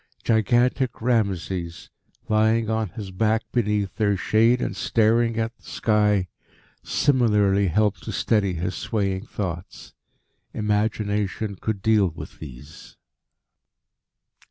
Gigantic Ramases, lying on his back beneath their shade and staring at the sky, similarly helped to steady his swaying thoughts. Imagination could deal with these.